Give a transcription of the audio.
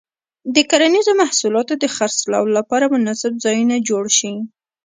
د کرنیزو محصولاتو د خرڅلاو لپاره مناسب ځایونه جوړ شي.